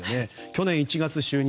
去年１月就任。